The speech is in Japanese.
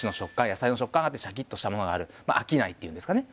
野菜の食感があってシャキッとしたものがある飽きないっていうんですかね